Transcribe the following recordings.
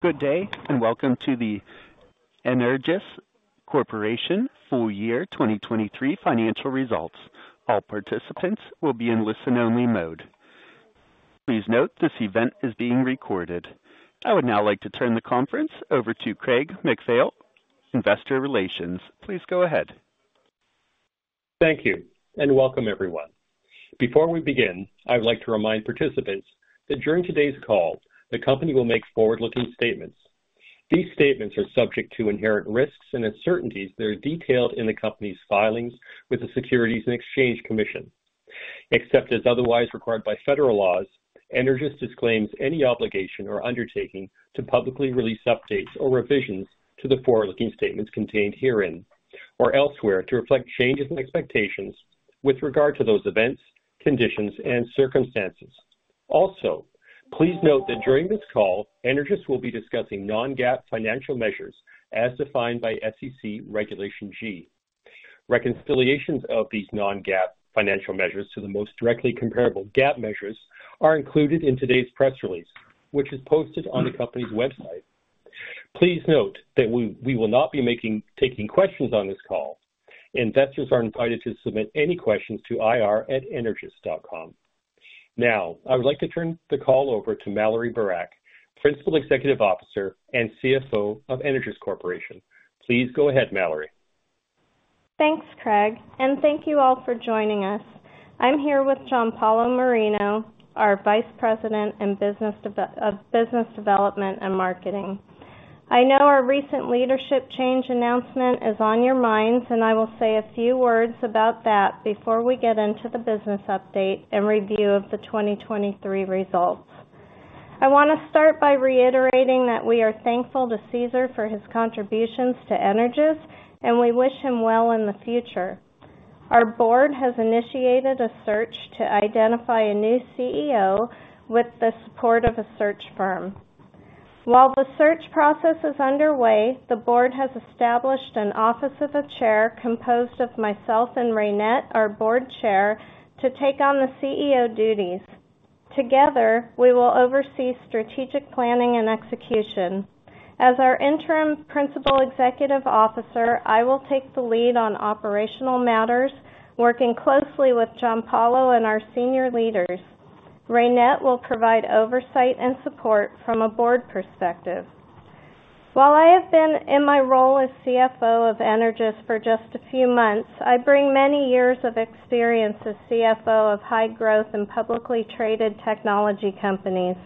Good day, and welcome to the Energous Corporation full year 2023 financial results. All participants will be in listen-only mode. Please note, this event is being recorded. I would now like to turn the conference over to Craig MacPhail, Investor Relations. Please go ahead. Thank you, and welcome, everyone. Before we begin, I would like to remind participants that during today's call, the company will make forward-looking statements. These statements are subject to inherent risks and uncertainties that are detailed in the company's filings with the Securities and Exchange Commission. Except as otherwise required by federal laws, Energous disclaims any obligation or undertaking to publicly release updates or revisions to the forward-looking statements contained herein or elsewhere to reflect changes in expectations with regard to those events, conditions, and circumstances. Also, please note that during this call, Energous will be discussing non-GAAP financial measures as defined by SEC Regulation G. Reconciliations of these non-GAAP financial measures to the most directly comparable GAAP measures are included in today's press release, which is posted on the company's website. Please note that we will not be taking questions on this call. Investors are invited to submit any questions to ir@energous.com. Now, I would like to turn the call over to Mallorie Burak, Principal Executive Officer and CFO of Energous Corporation. Please go ahead, Mallorie. Thanks, Craig, and thank you all for joining us. I'm here with Giampaolo Marino, our Vice President of Business Development and Marketing. I know our recent leadership change announcement is on your minds, and I will say a few words about that before we get into the business update and review of the 2023 results. I wanna start by reiterating that we are thankful to Cesar for his contributions to Energous, and we wish him well in the future. Our board has initiated a search to identify a new CEO with the support of a search firm. While the search process is underway, the board has established an office of the chair, composed of myself and Reynette, our board chair, to take on the CEO duties. Together, we will oversee strategic planning and execution. As our interim principal executive officer, I will take the lead on operational matters, working closely with Giampaolo and our senior leaders. Reynette will provide oversight and support from a board perspective. While I have been in my role as CFO of Energous for just a few months, I bring many years of experience as CFO of high-growth and publicly traded technology companies.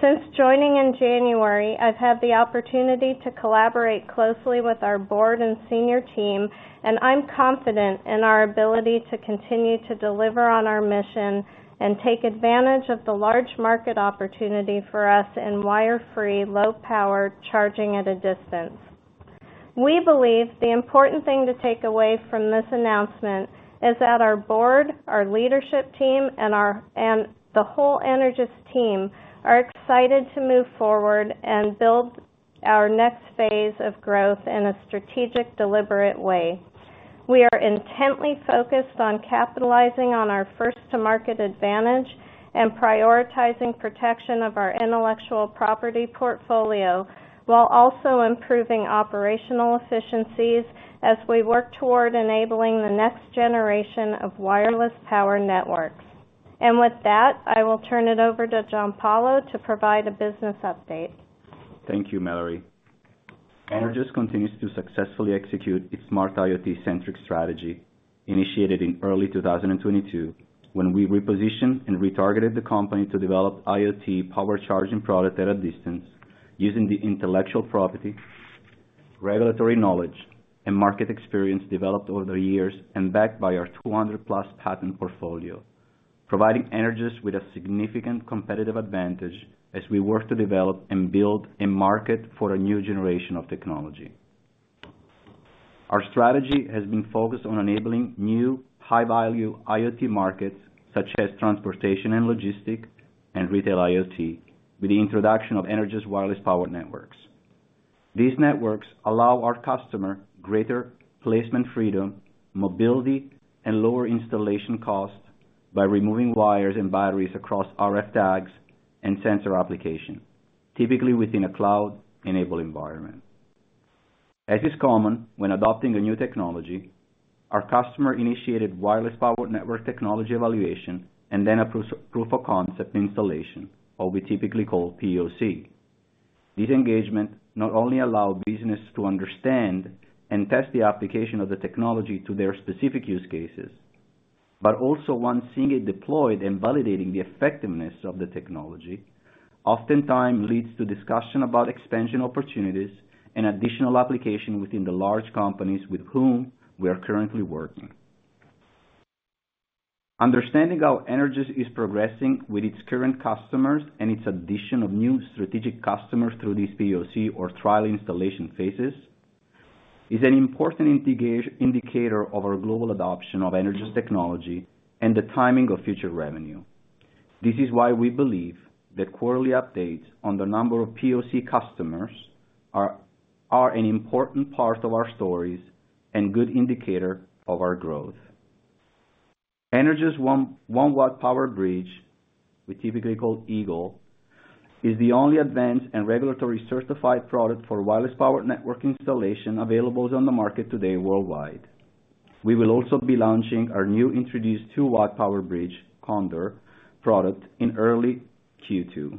Since joining in January, I've had the opportunity to collaborate closely with our board and senior team, and I'm confident in our ability to continue to deliver on our mission and take advantage of the large market opportunity for us in wire-free, low-power charging at a distance. We believe the important thing to take away from this announcement is that our board, our leadership team, and our. The whole Energous team are excited to move forward and build our next phase of growth in a strategic, deliberate way. We are intently focused on capitalizing on our first-to-market advantage and prioritizing protection of our intellectual property portfolio, while also improving operational efficiencies as we work toward enabling the next generation of wireless power networks. With that, I will turn it over to Giampaolo to provide a business update. Thank you, Mallorie. Energous continues to successfully execute its smart IoT-centric strategy, initiated in early 2022, when we repositioned and retargeted the company to develop IoT power charging product at a distance using the intellectual property, regulatory knowledge, and market experience developed over the years and backed by our 200 plus patent portfolio. Providing Energous with a significant competitive advantage as we work to develop and build a market for a new generation of technology. Our strategy has been focused on enabling new, high-value IoT markets such as transportation and logistics and retail IoT, with the introduction of Energous Wireless Power Networks. These networks allow our customer greater placement freedom, mobility, and lower installation costs by removing wires and batteries across RF tags and sensor application, typically within a cloud-enabled environment. As is common when adopting a new technology, our customer-initiated wireless power network technology evaluation and then a proof of concept installation, what we typically call POC. This engagement not only allow business to understand and test the application of the technology to their specific use cases, but also once seeing it deployed and validating the effectiveness of the technology, oftentimes leads to discussion about expansion opportunities and additional application within the large companies with whom we are currently working. Understanding how Energous is progressing with its current customers and its addition of new strategic customers through these POC or trial installation phases is an important indicator of our global adoption of Energous technology and the timing of future revenue. This is why we believe that quarterly updates on the number of POC customers are an important part of our stories and good indicator of our growth. Energous' 1 watt PowerBridge, we typically call Eagle, is the only advanced and regulatory-certified product for wireless power network installation available on the market today worldwide. We will also be launching our new introduced 2 watt PowerBridge, Condor, product in early Q2.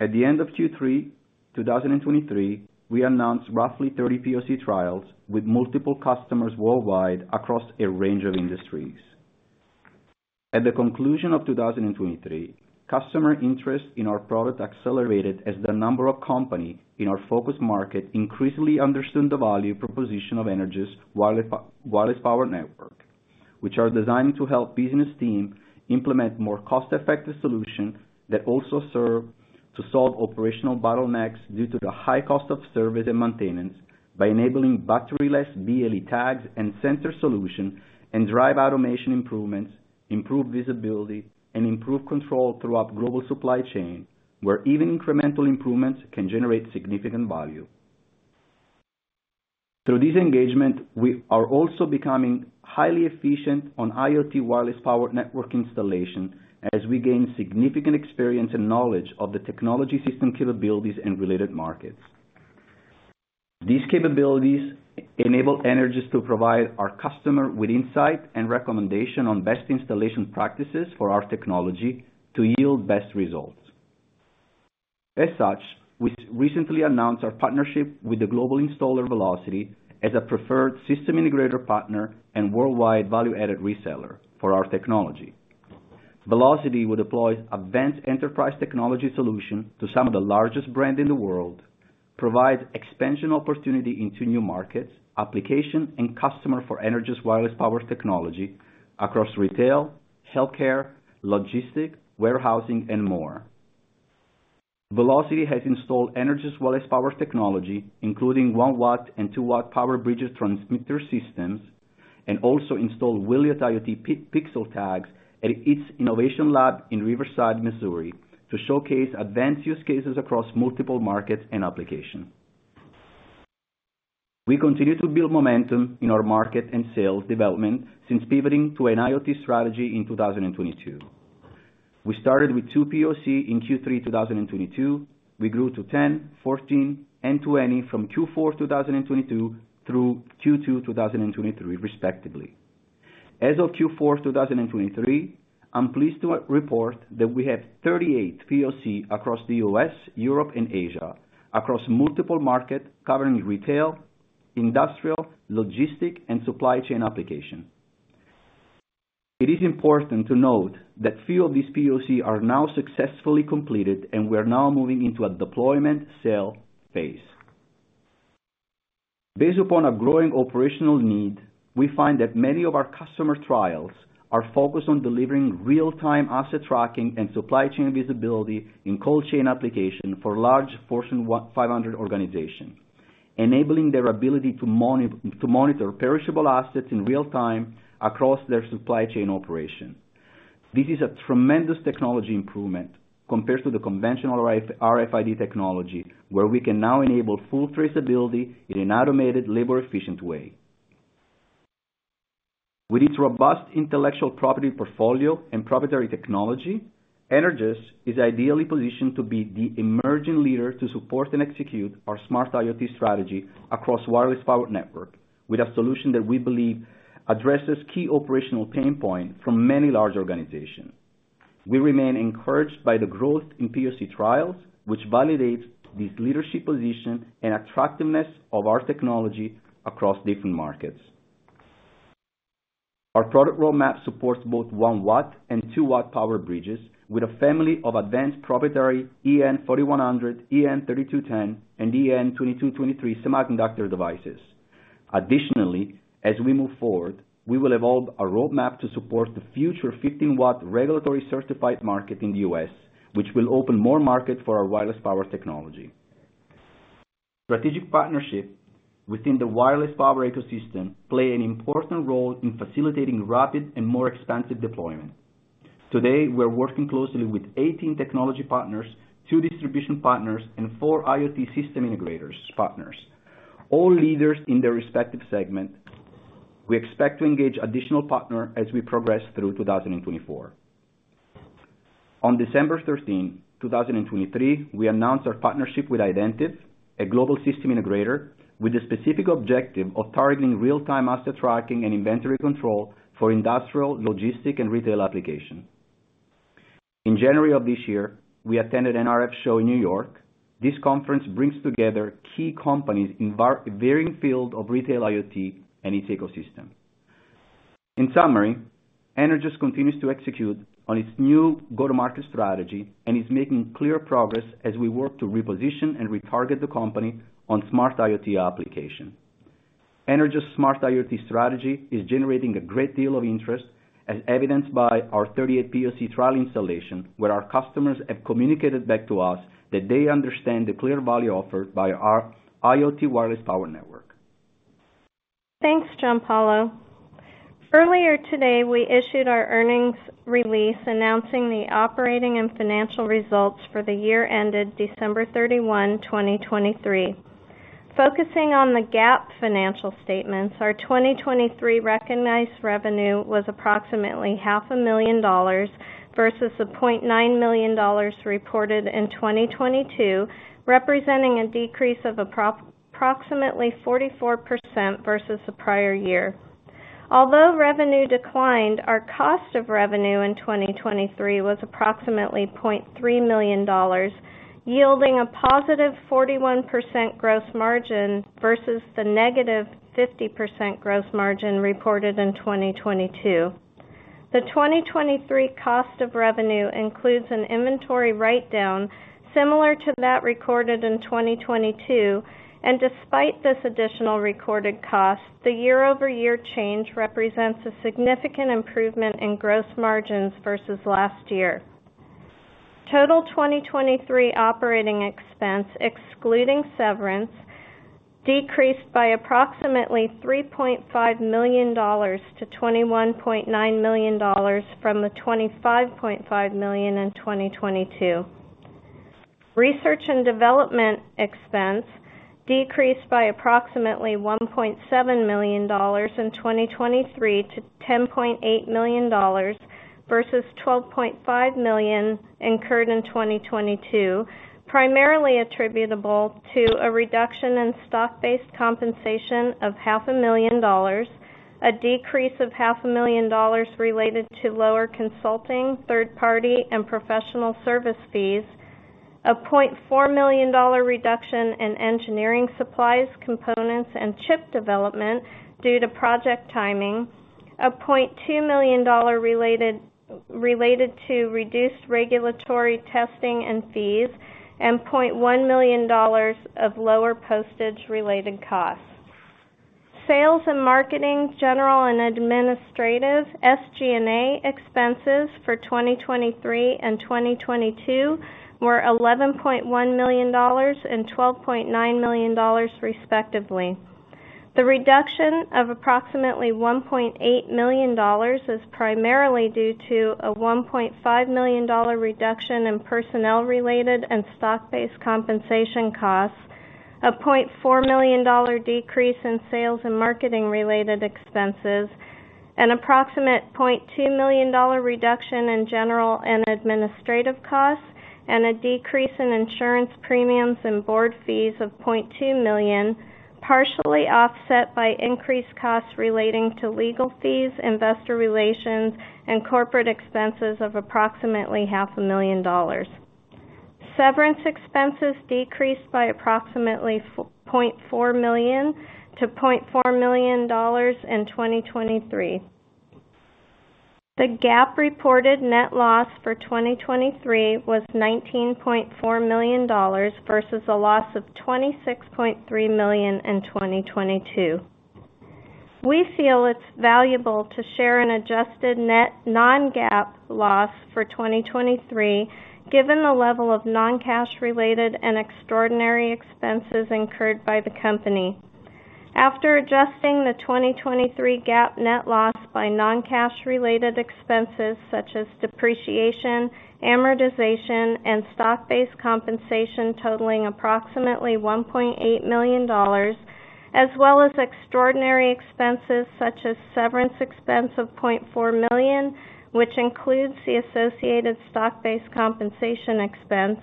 At the end of Q3 2023, we announced roughly 30 POC trials with multiple customers worldwide across a range of industries. At the conclusion of 2023, customer interest in our product accelerated as the number of company in our focus market increasingly understood the value proposition of Energous' wireless power network, which are designed to help business teams implement more cost-effective solutions that also serve to solve operational bottlenecks due to the high cost of service and maintenance, by enabling battery-less BLE tags and sensor solution, and drive automation improvements, improve visibility, and improve control throughout global supply chain, where even incremental improvements can generate significant value. Through this engagement, we are also becoming highly efficient on IoT wireless power network installation, as we gain significant experience and knowledge of the technology system capabilities and related markets. These capabilities enable Energous to provide our customer with insight and recommendation on best installation practices for our technology to yield best results. As such, we recently announced our partnership with the global installer, Velociti, as a preferred system integrator partner and worldwide value-added reseller for our technology. Velociti will deploy advanced enterprise technology solution to some of the largest brand in the world, provide expansion opportunity into new markets, application, and customer for Energous wireless power technology across retail, healthcare, logistic, warehousing, and more. Velociti has installed Energous wireless power technology, including 1-watt and 2-watt PowerBridge transmitter systems, and also installed Wiliot IoT Pixels tags at its innovation lab in Riverside, Missouri, to showcase advanced use cases across multiple markets and application. We continue to build momentum in our market and sales development since pivoting to an IoT strategy in 2022. We started with 2 POC in Q3 2022. We grew to 10, 14, and 20 from Q4 2022 through Q2 2023, respectively. As of Q4 2023, I'm pleased to report that we have 38 POC across the U.S., Europe, and Asia, across multiple markets, covering retail, industrial, logistics, and supply chain applications. It is important to note that few of these POC are now successfully completed, and we are now moving into a deployment sale phase. Based upon a growing operational need, we find that many of our customer trials are focused on delivering real-time asset tracking and supply chain visibility in cold chain applications for large Fortune 500 organizations, enabling their ability to monitor perishable assets in real time across their supply chain operations. This is a tremendous technology improvement compared to the conventional RFID technology, where we can now enable full traceability in an automated, labor-efficient way. With its robust intellectual property portfolio and proprietary technology, Energous is ideally positioned to be the emerging leader to support and execute our smart IoT strategy across wireless power network, with a solution that we believe addresses key operational pain point for many large organizations. We remain encouraged by the growth in POC trials, which validates this leadership position and attractiveness of our technology across different markets. Our product roadmap supports both 1 watt and 2 watt PowerBridges with a family of advanced proprietary EN4100, EN3210, and EN2223 semiconductor devices. Additionally, as we move forward, we will evolve our roadmap to support the future 15 watt regulatory certified market in the U.S., which will open more market for our wireless power technology. Strategic partnership within the wireless power ecosystem play an important role in facilitating rapid and more expansive deployment. Today, we're working closely with 18 technology partners, two distribution partners, and four IoT system integrators, partners, all leaders in their respective segment. We expect to engage additional partner as we progress through 2024. On December 13, 2023, we announced our partnership with Identiv, a global system integrator, with the specific objective of targeting real-time asset tracking and inventory control for industrial, logistic, and retail application. In January of this year, we attended NRF show in New York. This conference brings together key companies in varying field of retail, IoT, and its ecosystem. In summary, Energous continues to execute on its new go-to-market strategy and is making clear progress as we work to reposition and retarget the company on smart IoT application. Energous' smart IoT strategy is generating a great deal of interest, as evidenced by our 38 POC trial installation, where our customers have communicated back to us that they understand the clear value offered by our IoT wireless power network. Thanks, Giampaolo. Earlier today, we issued our earnings release announcing the operating and financial results for the year ended December 31, 2023. Focusing on the GAAP financial statements, our 2023 recognized revenue was approximately $500,000 versus the $0.9 million reported in 2022, representing a decrease of approximately 44% versus the prior year. Although revenue declined, our cost of revenue in 2023 was approximately $0.3 million, yielding a positive 41% gross margin versus the negative 50% gross margin reported in 2022. The 2023 cost of revenue includes an inventory write-down similar to that recorded in 2022, and despite this additional recorded cost, the year-over-year change represents a significant improvement in gross margins versus last year. Total 2023 operating expense, excluding severance, decreased by approximately $3.5 million to $21.9 million from the $25.5 million in 2022. Research and Development expense decreased by approximately $1.7 million in 2023 to $10.8 million versus $12.5 million incurred in 2022, primarily attributable to a reduction in stock-based compensation of $500,000, a decrease of $500,000 related to lower consulting, third-party, and professional service fees, a $400,000 reduction in engineering supplies, components, and chip development due to project timing, a $200,000 related to reduced regulatory testing and fees, and $100,000 of lower postage-related costs. Sales and marketing, general and administrative, SG&A expenses for 2023 and 2022 were $11.1 million and $12.9 million, respectively. The reduction of approximately $1.8 million is primarily due to a $1.5 million reduction in personnel-related and stock-based compensation costs, a $0.4 million decrease in sales and marketing-related expenses, an approximate $0.2 million reduction in general and administrative costs, and a decrease in insurance premiums and board fees of $0.2 million, partially offset by increased costs relating to legal fees, investor relations, and corporate expenses of approximately $500,000. Severance expenses decreased by approximately $0.4 million to $0.4 million in 2023. The GAAP reported net loss for 2023 was $19.4 million versus a loss of $26.3 million in 2022. We feel it's valuable to share an adjusted net non-GAAP loss for 2023, given the level of non-cash related and extraordinary expenses incurred by the company. After adjusting the 2023 GAAP net loss by non-cash related expenses such as depreciation, amortization, and stock-based compensation totaling approximately $1.8 million, as well as extraordinary expenses such as severance expense of $0.4 million, which includes the associated stock-based compensation expense,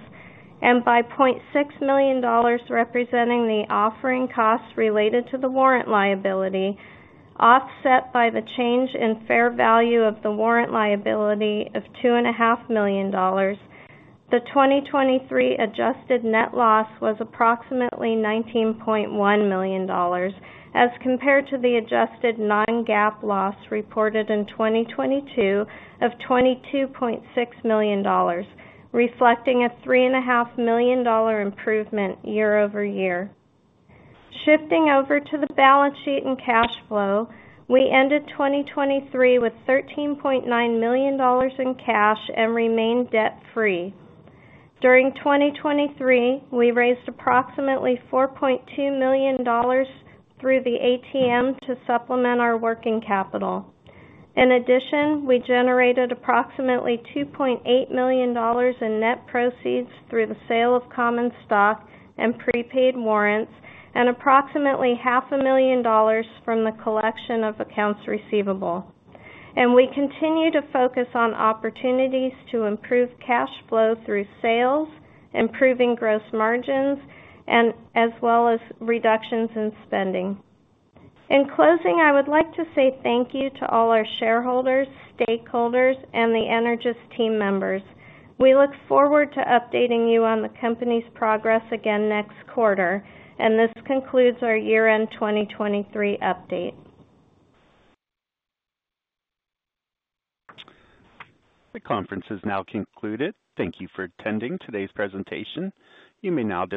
and by $0.6 million, representing the offering costs related to the warrant liability, offset by the change in fair value of the warrant liability of $2.5 million. The 2023 adjusted net loss was approximately $19.1 million, as compared to the adjusted non-GAAP loss reported in 2022 of $22.6 million, reflecting a $3.5 million improvement year-over-year. Shifting over to the balance sheet and cash flow, we ended 2023 with $13.9 million in cash and remained debt-free. During 2023, we raised approximately $4.2 million through the ATM to supplement our working capital. In addition, we generated approximately $2.8 million in net proceeds through the sale of common stock and prepaid warrants and approximately $500,000 from the collection of accounts receivable. We continue to focus on opportunities to improve cash flow through sales, improving gross margins, and as well as reductions in spending. In closing, I would like to say thank you to all our shareholders, stakeholders, and the Energous team members. We look forward to updating you on the company's progress again next quarter, and this concludes our year-end 2023 update. The conference is now concluded. Thank you for attending today's presentation. You may now disconnect.